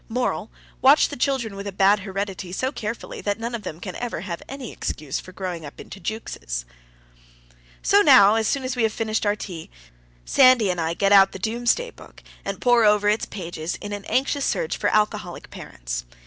Moral: watch the children with a bad heredity so carefully that none of them can ever have any excuse for growing up into Jukeses. So now, as soon as we have finished our tea, Sandy and I get out the Doomsday Book, and pore over its pages in an anxious search for alcoholic parents.